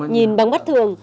nhìn bằng mắt thường